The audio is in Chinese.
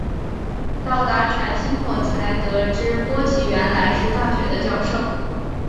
到达犬星后才得知波奇原来是大学的教授。